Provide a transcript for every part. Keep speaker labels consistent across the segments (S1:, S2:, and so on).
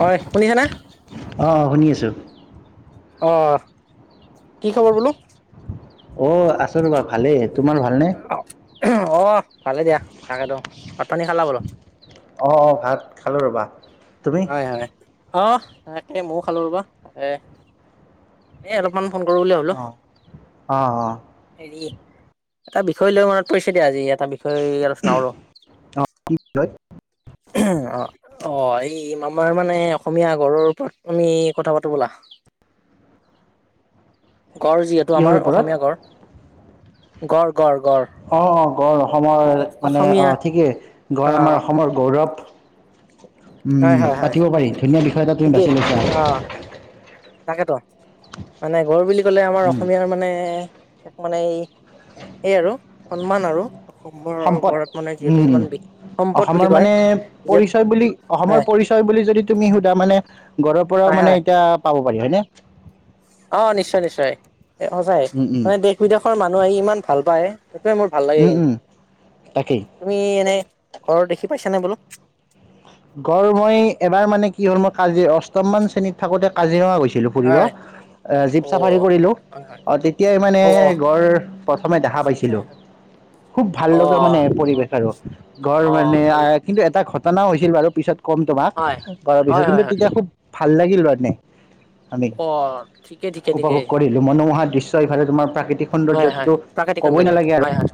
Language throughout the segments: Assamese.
S1: হয়, শুনিছেনে?
S2: অঁ শুনি আছোঁ
S1: অহ, কি খবৰ বোলো?
S2: অ আছো ৰবা ভালেই। তোমাৰ ভালনে
S1: অ ভালে দিয়া। তাকেতো, ভাত পানী খালা বোলো?
S2: অ অ ভাত খালো ৰবা। তুমি
S1: হয় হয় অ তাকে ময়ো খালো ৰবা এ এ অলপমান ফোন কৰো বুলি ভাবিলো।
S2: অঁ অঁ অঁ
S1: হেৰি এটা বিষয় লৈ মনত পৰিছে দিয়া আজি ইয়াত টা বিষয়ে আলোচনা কৰো।
S2: অঁ কি বিষয়
S1: অ অ এই আমাৰ মানে অসমীয়া ঘৰৰ ওপৰত তুমি কথা পাতো ব'লা? [inaudible] গড় যিহেতু
S2: কিহৰ
S1: আমাৰ
S2: ওপৰত
S1: অসমীয়া গড় গড় গড়
S2: অ অ গড় অসমৰ মানে
S1: অসমীয়া
S2: আহ ঠিকেই, গড়
S1: অ
S2: আমাৰ অসমৰ গৌৰৱ।
S1: হয় হয় হয়
S2: পাতিব পাৰি, ধুনীয়া বিষয় এটা তুমি
S1: ঠিকেই
S2: বাচি
S1: অ
S2: লৈছা।
S1: তাকেতো মানে গড় বুলি কলে আমাৰ
S2: উম
S1: অসমীয়াৰ মানে, তাক মানে এই এই আৰু সন্মান আৰু, অসমৰ
S2: সম্পদ
S1: ওপৰত মানে যিহেতু
S2: উম
S1: ইমান বি, সম্পদ
S2: অসমৰ
S1: বুলি কয়
S2: মানে পৰিচয় বুলি
S1: হয়।
S2: [unintelligible] বুলি য তুমি সুধা মানে ঘৰৰ পৰাও
S1: হয়
S2: মানে
S1: হয়
S2: এতি পাব পাৰি হয় নে,
S1: অ, নিশ্চয় নিশ্চয় সঁচাই।
S2: উম উম
S1: মানে দেশ বিদেশৰ মানুহ আহি ইমান ভাল পায়। মোৰ ভাল লাগে
S2: উম উম
S1: কিন্তু
S2: তাকেই
S1: তুমি এনেই গড় দেখি পাইছা নে বোলো?
S2: গৰ় মই এবাৰ মানে কি হ'ল, মই কাজিৰ অষ্টম মমান শ্ৰেণীত থাকোতে কাজিৰঙা গৈছো। ফুৰিব
S1: হয়
S2: জীপ
S1: অ
S2: চাফাৰী কৰিলো।
S1: হয় হয়
S2: অ তেতিয়াই মানে
S1: অ অ
S2: গড় প্ৰথমে দেখা। পাইছিলোঁ।
S1: হয়, হয়,
S2: খুব ভাল
S1: অ
S2: লগা মানে পৰিৱেশ আৰু, ঘড়
S1: অ
S2: মানে
S1: ভাল
S2: কিন্তু এটা ঘটনা হৈছে, ছিল বাৰু পিছত কম তোমাক
S1: হয়
S2: ঘড়
S1: হয়
S2: বিষয়ে।
S1: হয়
S2: কিন্তু
S1: হয়
S2: তেতিয়া খুব ভাল লাগিল মানে আমি
S1: অ ঠিকে ঠিকে ঠিকে
S2: উপভোগ কৰিলো, মনোমোহা দৃশ্য় ইফালে তোমাৰ প্ৰাকৃতি‌। ক,
S1: হয় হয়
S2: সৌন্দৰ্যটোতো
S1: প্ৰাকৃতিক
S2: কবই
S1: সৌন্দৰ্য
S2: নালাগে আৰু।
S1: হয় হয়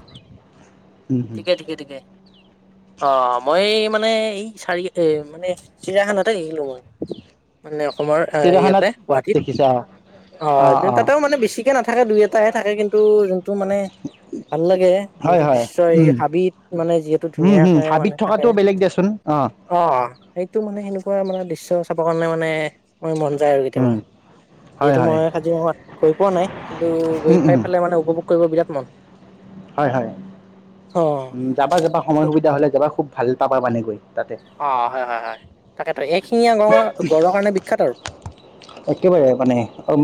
S2: উম হম
S1: ঠিকে ঠিকে ঠিকে, অ মই মানে এই চাৰি এ মানে চিৰায়াখানতে এৰিলোঁ মই, মানে আমাৰ
S2: চিৰিয়াখানাত
S1: ইয়াতে গুৱাহাটীত।
S2: দেখিছা
S1: অ, তাতেও মানে বেছিকে নাথাকে দুই এটাহে থাকে কিন্তু, যোনটো মানে ভাল লাগে।
S2: হয়
S1: যোনটো
S2: হয়
S1: দৃশ্য এই
S2: উম
S1: হাবিত মানে যিহেতু
S2: উম হম
S1: ধুনীয়াকে মানে
S2: হাবিত
S1: থাকে।
S2: থকাটোও বেলেগ দিয়াচোন
S1: অ, সেইটো মানে সেনেকুৱা মানে দৃশ্য চাবৰ কাৰণে মানে, অকমান মন যায় আৰু কেতিয়াবা।
S2: উম, হয়
S1: যিহেতু
S2: হয়।
S1: মই কাজিৰঙাত গৈ পোৱা নাই কিন্তু গৈ
S2: উম,
S1: পাই
S2: উম,
S1: ফালে মানে উপভোগ কৰিব বিৰাট মন
S2: হয়, হয়,
S1: অ
S2: যাবা যাবা সময় সুবিধা হলে যাবা খুব ভাল পাবা মানেকৈ
S1: অ, হয়, হয়, হয়, তাকে তাক এক শিঙীয়া গঙৰ গড়ৰ কাৰণে বিখ্যাত আৰু
S2: একেবাৰে মানে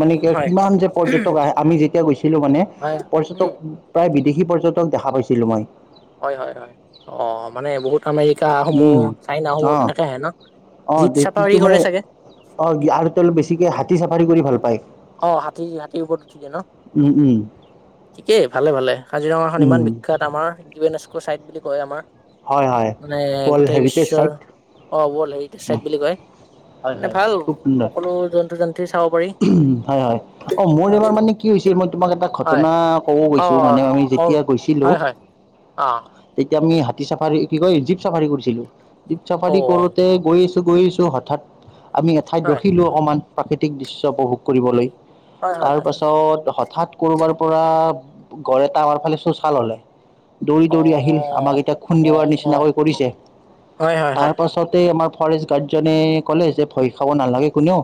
S2: মানে কি
S1: হয়
S2: কিমান যে পৰ্যটক আহ আমি যেতিয়া গৈছিলো মানে
S1: হয়
S2: পৰ্যটক
S1: উম
S2: প্ৰায় বিদেশী পৰ্যটক দেখা পাইছিলো মই
S1: হয়, হয়, হয়, অ, মানে বহুত আমেৰিকা সমূহ
S2: উম,
S1: চাইনা সমূহ
S2: অ',
S1: তেনেকে আহে ন
S2: অ'
S1: জীপ চাফাৰী
S2: টো মানে
S1: কৰে চাগে।
S2: অ, আৰু তেওঁল বেছিকে হাতী চাফাৰী কৰি ভাল পায়।
S1: অ, হাতী হাতীৰ ওপৰত উঠি যায় ন
S2: উম, উম,
S1: ঠিকেই ভালে ভালে। কাজিৰঙাখন ইমান
S2: উম,
S1: বিখ্যাত আমাৰ ইউ এন এছ্ক' ছাইট বুলি কয় আমাৰ
S2: হয় হয়।
S1: মানে
S2: ৱৰ্ল্ড
S1: গোটেই
S2: হেৰিটেজ
S1: বিশ্বৰ
S2: চাইট
S1: অ ৱৰ্ল্ড হেৰিটেজ
S2: উম,
S1: চাইট বুলি কয়?
S2: হয়
S1: মানে
S2: হয়
S1: ভাল সকলো জন্তু জন্তু চাব পাৰি।
S2: উ, হয়, হয়, অ, মোৰ এবাৰ
S1: আৰু
S2: মানে কি হৈছিল মই তোমাক এটা
S1: হয়
S2: ঘটনা ক'ব
S1: অ
S2: গৈছো মানে আমি
S1: ক
S2: যেতিয়া গৈছিলো।
S1: হয় হয় অ,
S2: এতিয়া আমি হাতী চাফাৰী কি কয় জীপ চাফাৰী কৰিছিলো জীপ
S1: অ
S2: চাফাৰী কৰোতে গৈ গৈছো হঠাৎ আমি এঠাইত
S1: হয়
S2: ৰখিলো অকমান প্ৰাকৃতিক দৃশ্য উপভোগ কৰিবলৈ।
S1: হয় হয়
S2: তাৰ
S1: হয়
S2: পাছত হঠাৎ কৰবাৰ পৰা গৰে তটাৱাৰ ফালে চুচাল হলে দৌৰি
S1: অ
S2: দৌৰি আহিল আমাক এতিয়া
S1: অ
S2: খুন্দিওাৰ
S1: অ
S2: নিচিনাকৈ কৰিছে।
S1: হয় হয় হয়
S2: তাৰ পাছতে আমাৰ ফৰেষ্ট গাৰ্জেনে ক'লে যে ভয় খাব নালাগে কোনেও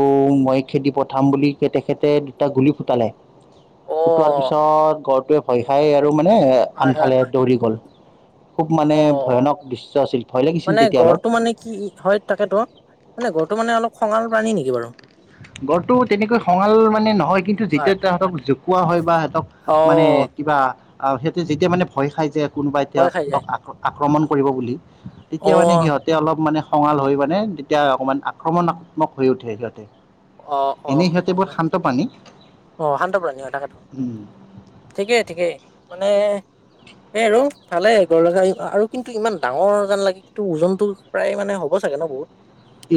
S1: [inaudible]
S2: খেদি পঠাম বুলি তেখেতে দুটা গুলী ফুটালে
S1: অ
S2: ফুটোৱা পাছত ভয় খাই আৰু মানে
S1: হয় হয়
S2: আনফালে
S1: হয়
S2: দৌৰি গ'ল। খুব মানে
S1: অ,
S2: ভয়ানক দৃশ্য আছিল ভয় লাগিছিল
S1: মানে
S2: তেতিয়া অলপ
S1: গড়টো মানে কি হয় তাকেতো মানে গড়টো মানে অলপ খঙাল প্ৰানী নেকি বাৰু?
S2: গড়টো তেনেকৈ খঙাল মানে নহয় কিন্তু
S1: হয়
S2: যেতিয়া তাহতক জকোৱা হয় বা সিহঁতক
S1: অ',
S2: মানে কিবা সিহঁতে যেতিয়া মানে ভয় খাই যে কোনোবা
S1: ভয়
S2: এতিয়াক
S1: খাই যায়।
S2: আক্ৰমণ কৰিব বুলি, তেতিয়া মানে
S1: অ',
S2: সিহঁতে অলপ মানে খঙাল হৈ মানে তেতিয়া অকমান আক্ৰমণাত্মক হৈ উঠে যহতে
S1: অ, অ, অ, অ শান্তপ্ৰাণী অ তাকেটো
S2: উম।
S1: ঠিকেই, ঠিকেই৷মানে
S2: [inaudible]
S1: এ ৰ ভালে আৰু কিন্তু ইমান ডাঙৰ যেন লাগে কিন্তু ওজনতটো প্ৰায় মানে হ'ব চাগে ন বহুত?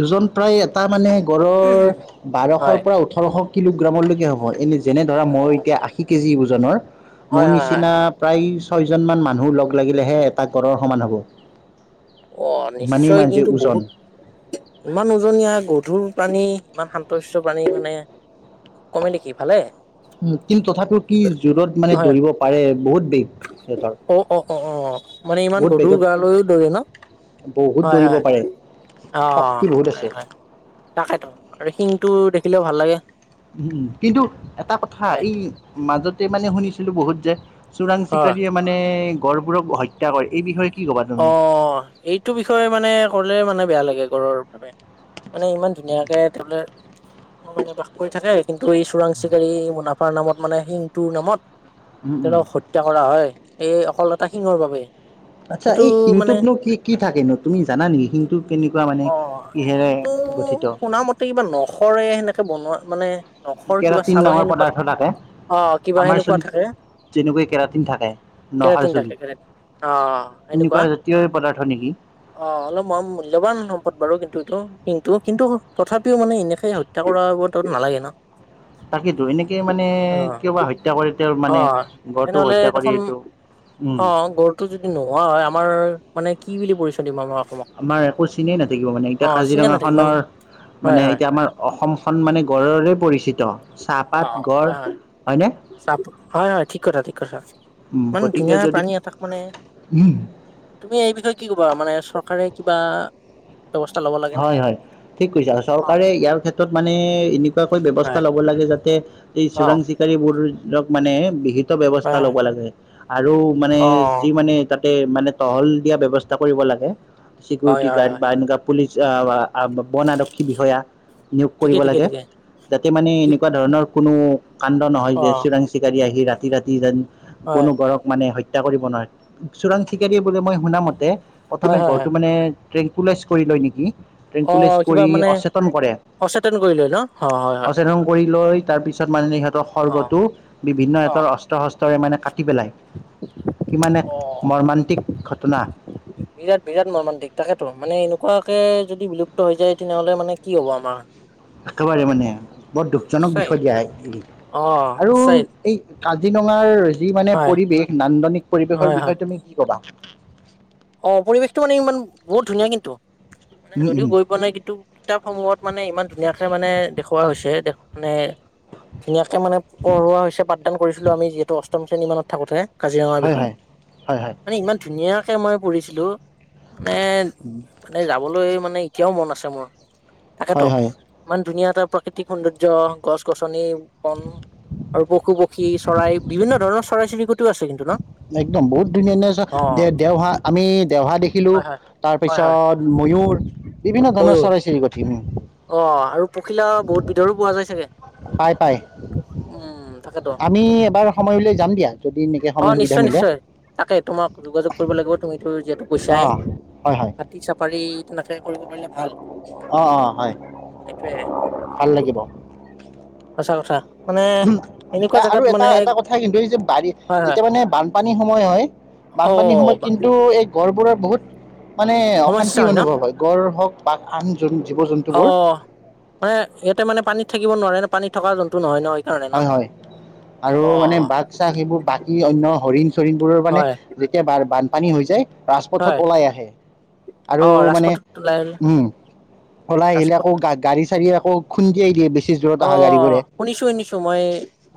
S2: ওজন প্ৰায় এটা মানে গড়ৰ
S1: হয়
S2: বাৰশৰ পৰা ওঠৰশ কিলোগ্ৰামলৈকে হ'ব৷ এনে যেনে ধৰা মই
S1: অ',
S2: এতিয়া আশী কেজি ওজনৰ মোৰ
S1: হয় হয় হয়
S2: নিচিনা প্ৰায় ছয় জন মান মানুহ লগ লাগিলেহে এটা গঁড়ৰ সমান হ'ব৷
S1: অ
S2: ইমানেই
S1: নিশ্চয়
S2: মানে
S1: কিন্তু
S2: ওজন
S1: বহুত ইমান ওজনীয়া গধুৰ প্ৰাণী, ইমান শান্ত-শিষ্ট প্ৰাণী মানে কমে নেকি? ভালে৷
S2: কিন্তু তথাপি কি জোৰত মানে
S1: হয়
S2: দৌৰিব পাৰে বহুত বেগ সিহঁতৰ
S1: অ অ অ অ মানে ইমান
S2: বহুত
S1: গধুৰ
S2: বেগত
S1: গালৈ ও দৌৰে ন?
S2: বহুত
S1: হয়
S2: দৌৰিব
S1: হয়
S2: পাৰে৷
S1: অ
S2: শক্তি বহুত
S1: হয়
S2: আছে
S1: হয় তাকেতো আৰু শিংটো দেখিলেও ভাল লাগে৷
S2: উম, কিন্তু এটা কথা,
S1: হয়
S2: এই মাজতে মানে শুনিছিলো বহুত যে চোৰাং
S1: হয়
S2: চিকাৰীয়ে মানে গঁড়বোৰক হত্যা কৰে এই বিষয়ে কি ক'বা
S1: অ
S2: তুমি
S1: এইটো বিষয়ে মানে ক'লে মানে বেয়া লাগে গঁড়ৰ মানে ইমান ধুনীয়াকে থাকে মানে বাস কৰি থাকে কিন্তু এই চোৰাং চিকাৰী মুনাফাৰ নামত মানে শিংটোৰ নামত
S2: উম, উম।
S1: তেওঁলোকক হত্যা কৰা হয় এই অকল এটা শিঙৰ বাবে৷
S2: আচ্ছা,
S1: সেইটো
S2: এই
S1: মানে
S2: শিংটোতনো কি কি থাকেনো তুমি জানা নেকি? শিংটো কেনেকুৱা মানে
S1: অ
S2: কিহেৰে
S1: কিন্তু
S2: গঠিত
S1: শুনা মতে কিবা নখৰে সেনেকে বনোৱা মানে নখৰ কিবা
S2: কেৰাটিন
S1: চালৰ
S2: নামৰ
S1: সেনেকুৱা
S2: পদাৰ্থ থাকে
S1: অ কিবা
S2: আমাৰ
S1: সেনেকুৱা
S2: চুলিত
S1: থাকে
S2: যেনেকৈ কেৰাটিন থাকে নহাৰ
S1: কেৰেটেন থাকে
S2: চুলিত
S1: কেৰেট অ তেনেকুৱা
S2: জাতীয় পদাৰ্থ নেকি
S1: অ অল ম মূল্যবান সম্পদ বাৰু কিন্তু এইটো কিন্তু কিন্তু তথাপিও মানে এনেকে হত্যা কৰা বৰ্ত নালাগে ন? [inaudible]
S2: তাকে তো, এনেকে মানে
S1: অ',
S2: কিয় বা হত্যা কৰি তেওঁ মানে
S1: অ',
S2: গঁড়টো
S1: তেনেহ'লে
S2: হত্যা কৰি
S1: দেখোন
S2: এটো
S1: অ, গঁড়টো যদি নোহোৱা হয় আমাৰ মানে কি বুলি পৰিচয় দিম আমাৰ অসমক
S2: আমাৰ একো চিনেই নাথাকিব মানে এতিয়া
S1: অ', চিনে
S2: কাজিৰঙা
S1: নাথাকিম আমি।
S2: খনৰ
S1: হয়,
S2: মানে
S1: হয়।
S2: এতিয়া আমাৰ অসমখন মানে গঁড়ৰে পৰিচিত৷ চাহপাত, গড়,
S1: চাহটো হয়, হয়, ঠিক কথা, ঠিক কথা
S2: উম
S1: ইমান
S2: গতিকে
S1: ধুনীয়া
S2: যদি
S1: প্ৰাণী এটাক মানে তুমি এই বিষয়ে কি কবা? মানে চৰকাৰে কিবা ব্যৱস্থা ল'ব লাগে নে?
S2: হয়, হয়, ঠিক কৈছা
S1: অ',
S2: চৰকাৰে ইয়াৰ ক্ষেত্ৰত মানে এনে কুৱাকৈ ব্যৱস্থা
S1: হয়,
S2: লব লাগে যাতে এই চোৰাং
S1: অ',
S2: চিকাৰী বোৰক মানে বিহিত ব্যৱস্থা
S1: হয়,
S2: ল'ব
S1: হয়,
S2: লাগে আৰু মানে
S1: অ',
S2: যি মানে তাত মানে টহল দিয়া ব্যৱস্থা কৰিব লাগে৷
S1: হয়,
S2: চিকিউৰিটি
S1: হয়,
S2: গাৰ্ড
S1: হয়,
S2: বা এনেকুৱা পুলিচ আ বা বন আৰক্ষী বিষয়া নিয়োগ
S1: ঠিকে,
S2: কৰিব
S1: ঠিকে,
S2: লাগে,
S1: ঠিকে
S2: যাতে মানে
S1: ঠিক
S2: এনেকুৱা ধৰণৰ কোনো কাণ্ড নহয় যে
S1: অ',
S2: চোৰাং চিকাৰী আহি ৰাতি ৰাতি যেন
S1: হয়,
S2: কোনো গঁড়ক মানে হত হত্যা কৰিব নোৱাৰে৷ চোৰাং চিকাৰীয়ে বোলে মই শুনা মতে
S1: হয়,
S2: প্ৰথমে
S1: হয়,
S2: ঘৰটো
S1: হয়,
S2: মানে ট্ৰেংকুইলাইজ কৰি লয় নেকি? ট্ৰেংকুলাইজ
S1: অ', কিবা
S2: কৰি
S1: মানে
S2: অচেতন কৰে৷
S1: অচেতন কৰিলে ন' অ', হয়, হয়,
S2: অচেতন কৰি লৈ তাৰ পিছত মাৰিলে সিহঁতক
S1: অ',
S2: খৰ্গটো, বিভিন্ন
S1: অ',
S2: সিহঁতৰ অস্ত্ৰ-শস্ত্ৰ মানে কাটি পেলাই৷ কিমান এক
S1: অ'।
S2: মৰ্মান্তিক ঘটনা।
S1: বিৰাট বিৰাট মৰ্মান্তিক৷ তাকেতো মানে এনেকুৱাকে যদি বিলুপ্ত হৈ যায় তেনেহলে মানে কি হব আমাৰ?
S2: একেবাৰে মানে, বৰ দুখজনক
S1: সঁচাই
S2: বিষয় দিয়া
S1: অ
S2: আৰু
S1: সঁচাই
S2: এই কাজিৰঙাৰ যি মানে
S1: হয়
S2: পৰিৱেশ, নান্দনিক পৰিৱেশৰ বিষয়ে তুমি কি কবা?
S1: অঁ, পৰিৱেশটো মানে ইমান বহুত ধুনীয়া কিন্তু মানে
S2: উম
S1: যদিও
S2: উম
S1: গৈ পোৱা নাই কিন্তু কিতাপ সমূহত মানে ইমান ধুনীয়াকে মানে দেখুওৱা হৈছে মানে ধুনীয়াকে মানে পঢ়োৱা হৈছে পাঠদান কৰিছিলোঁ আমি যিহেতু অষ্টম শ্ৰেণী মানত থাকোতে৷ কাজিৰঙাৰ
S2: হয় হয়
S1: বিষয়ে৷
S2: হয় হয়
S1: মানে ইমান ধুনীয়াকে মানে পঢ়িছিলোঁ মানে মানে যাবলৈ মানে এতিয়াও মন আছে মোৰ। তাকেতো
S2: হয় হয়
S1: ইমান ধুনীয়া এটা প্ৰাকৃতিক সৌন্দৰ্য গছ -গছনি বন। আৰু পশু -পক্ষী চৰাই বিভিন্ন ধৰণৰ চৰাই -চিৰিকটোও আছে কিন্তু ন?
S2: একদম বহুত ধুনীয়া ধুনীয়া
S1: অ
S2: দে দেওহা আমি দেওহা দেখিলো
S1: হয় হয়
S2: তাৰ
S1: হয় হয়
S2: পিছত ময়ুৰ বিভিন্ন ধৰণৰ চৰাই চিৰিকটি উম।
S1: অঁ, আৰু পখিলা বহুত বিধৰো পোৱা যায় চাগে?
S2: পাই পাই।
S1: উম তাকেতো
S2: আমি এবাৰ সময় উল যাম দিয়া। যদি এনেকৈ
S1: অঁ,
S2: সময় সুবিধা
S1: নিশ্চয়
S2: মিলে
S1: নিশ্চয় তাকে তোমাক যোগাযোগ কৰিব লাগিব তুমিতো যিহেতু গৈছাই।
S2: অঁ হয় হয়
S1: হাতী চাফাৰী তেনেকে কৰিব পাৰিলে ভাল
S2: অঁ অঁ হয়
S1: এইটোৱে
S2: ভাল লাগিব
S1: সঁচা কথা মানে
S2: উম
S1: এনেকুৱা
S2: আৰু
S1: জেগাত মানে
S2: এটা এটা কথা কিন্তু এই যে বাৰীত
S1: হয় হয়
S2: যেতিয়া মানে বানপানীৰ সময় হয়
S1: অ
S2: বানপানীৰ সময়ত কিন্তু এই গড়বোৰৰ বহুত মানে অশান্তি
S1: সমস্যা ন
S2: অনুভৱ হয় গড় হওক বা আন জন- জীৱ
S1: অ
S2: জন্তুবোৰ
S1: মানে ইয়াতে মানে পানীত থাকিব নোৱাৰে ন পানীত থকা জন্তু নহয় ন তণে ন
S2: হয় হয় আৰু
S1: অ
S2: মানে বাক চাক সেইবোৰ বাকী অনয় হৰিণ চৰিণ বোৰৰ মানে
S1: হয়
S2: যেতিয়া ব পানী হৈ যায় ৰাজপথত
S1: হয়
S2: ওলাই আহে আৰু
S1: অ
S2: মানে
S1: ৰাজপথত ওলাই
S2: উম ওলাই আহিলে
S1: ৰাজপথ
S2: আকৌ গা গাড়ী চাড়ী আকৌ খুন্দিয়াই দিয়ে বে
S1: অ শুনিছো শুনিছো মই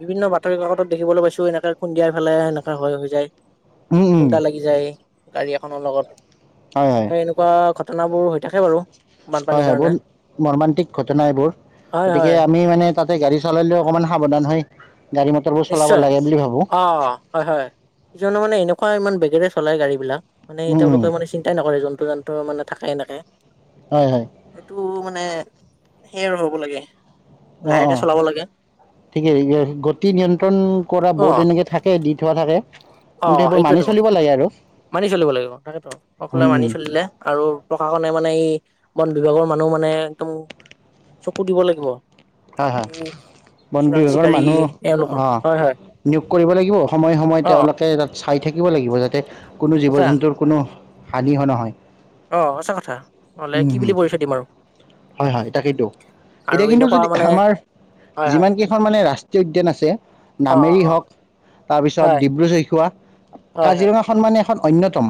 S1: বিভিন্ন বাতৰি কাকত দেখিবলৈ পাইছো এনেকে খুন্দিয়াই ফেলাই এনেকা হয় হৈ যায়
S2: উম উম
S1: খুন্দা লাগি যায় গাড়ী এখনৰ লগত
S2: হয় হয়
S1: সেই এনেকুৱা ঘটনা ঘটনাবোৰ হৈ থাকে বাৰু
S2: হয়
S1: বানপানীৰ
S2: হয়
S1: কাৰণে
S2: বহুত মৰ্মান্তিক ঘটনা এইবোৰ
S1: হয়
S2: গতিকে
S1: হয়
S2: আমি মানে তাতে গাড়ী চলালেও অকনমান সাৱধান হয়
S1: নিশ্চয় অ হয় হয় ইজনো মানে এনেকুৱা ইমান বেগেৰে চলাই গাড়ী বিলাক মানে
S2: উম উম
S1: তেওঁলোকে মানে চিন্তাই নকৰে জন্তু যাত্ৰৰ মানে থাকাই এনেকে
S2: হয় হয়
S1: এইটো মান মানে সেই আৰু হব লাগে
S2: অ অ
S1: লাহেকে চলাব লাগে
S2: ঠিকে গতি নিয়ন- তন কৰা
S1: অ
S2: বৰ্ড তেনেকে থাকে দি থোৱা থাকে
S1: অ
S2: কিন্তে সেইবোৰ মানি
S1: সেইটোয়েতো
S2: চলিব লাগে আৰু
S1: মানি চলিব লাগিব তাকেতো অকলে
S2: উম
S1: মানি
S2: উম
S1: চলিলে আৰু প্ৰশাসনে মানে এই বন বিভাগৰ মানুহ মানে একদম চকু দিব লাগিব
S2: হয় হয়
S1: উম
S2: বন বিভাগৰ মানুহ
S1: হয়
S2: আহ নিয়োগ কৰিব লাগিব সময়ে সময়ে
S1: অ
S2: তেওঁলোকে তাত চাই থাকিব লাগিব যাতে কোনো জীৱ
S1: সঁচা
S2: জন্তুৰ কোনো হানি হ নহয়
S1: অ সঁচা কথা নহলে
S2: উম
S1: কি
S2: হম
S1: বুলি পৰিছয় দিম আৰু
S2: হয় হয় তাকেইটো
S1: আৰু
S2: এতিয়া কিন্তু
S1: এনেকুৱা
S2: যদি
S1: মানে
S2: আমাৰ।
S1: হয় হয়
S2: যিমান কেইখন মানে ৰাষ্ট্ৰীয় উদ্যান আছে
S1: অ অ
S2: নামেৰি
S1: অ
S2: হওক, তাৰপিছত
S1: হয়
S2: ডিব্ৰু চৈখুৱোৱা
S1: হয় হয়
S2: কাজিৰঙাখন মানে এখন অনয়তম।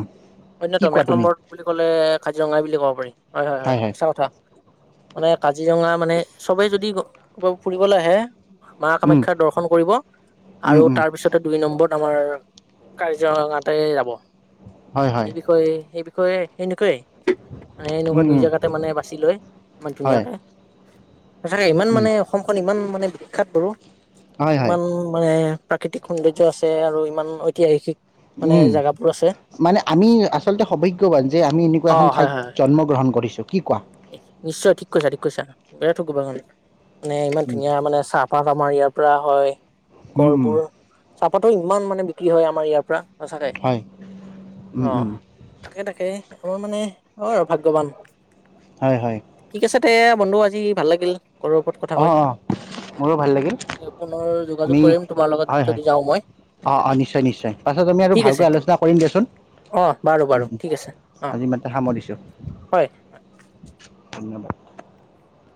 S1: অন্যতম এক নম্বৰ বুলি ক'লে কাজিৰঙা বুলি কওঁ। হয় হয় সচা কথা মানে কাজিৰঙা, মানে চবে যদি ক ফুৰিবলৈ আহে। মা
S2: উম
S1: কামাখ্যা দৰ্শন কৰিব
S2: উম
S1: আৰু
S2: উম
S1: তাৰ পিছতে দুই নম্বৰত আমাৰ। কাজঙাতে যাব।
S2: হয় হয়
S1: এই বিষয়ে সেই বিষয়ে সেনকয়েই, মানে এনেকুৱা
S2: উম
S1: দুই
S2: উম
S1: জেগাতে মানে বাছি লৈ ইমান
S2: হয়
S1: ধুনীয়াকে। সচাকে ইমান
S2: উম
S1: মানে অসমখন ইমান মানে বিখ্যাত তোৰ
S2: হয় হয়
S1: ইমান মানে, প্ৰাকৃতিক সৌন্দৰ্য আছে আৰু ইমান ঐতিহাসিক মানে
S2: উম
S1: জোগাবোৰ আছে।
S2: মানে আমি আচলতে সৌভাগ্যৱান যে আমি এনেকুৱা
S1: অ
S2: এখন
S1: হয়
S2: ঠাইত
S1: হয় হয়
S2: জন্মগ্ৰহণ কৰিছোঁ কি কোৱা।
S1: নিশ্চয় ঠিক কৈছা ঠিক কৈছা বেৰা থ গবাখন। মানে ইমান
S2: উম
S1: ধুনীয়া মানে চাহপাত আমাৰ ইয়াৰ পৰা হয়
S2: উম উম
S1: গহপোৰ চাহ, পাতো ইমান মানে বিক্ৰী হয় আমাৰ ইয়াৰ পৰা
S2: হয় উম
S1: সচাকে অ
S2: উম
S1: তাকে তাকে। মই মানে অ আৰু ভাগ্যৱান,
S2: হয় হয়।
S1: তাতে বন্ধু আজি ভাল লাগিল ঘৰৰ ওপৰত কথা কয়।
S2: অঁ অঁ মোৰো ভাল লাগিল। আমি
S1: কৰিম তোমাৰ লগত
S2: হয় হয়
S1: যদি যাওঁ মই
S2: অ অ
S1: তাকেতো
S2: নিশ্চয় নিশ্চয় পাছত আমি আৰু
S1: ঠিক
S2: ভালকৈ
S1: আছে
S2: আলোচনা কৰ কৰিম দিয়াচোন
S1: অ বাৰু বাৰু ঠিক আছে অ
S2: আজি ইমানতে সামৰছোঁ।
S1: হয়
S2: [inaudible]